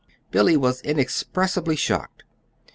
Billy was inexpressibly shocked.